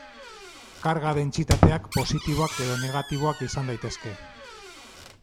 Karga-dentsitateak positiboak edo negatiboak izan daitezke.